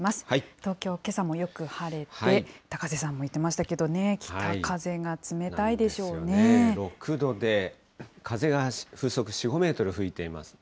東京、けさもよく晴れて、高瀬さんも言ってましたけどね、６度で、風が風速４、５メートル吹いていますね。